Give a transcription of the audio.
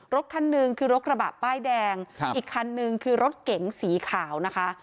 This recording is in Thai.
รถคันหนึ่งคือรถกระบะป้ายแดงอีกคันนึงคือรถเก๋งสีขาวนะคะ